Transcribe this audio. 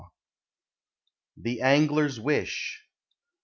THE ANGLER'S WISH.